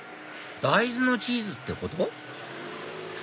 大豆のチーズってこと？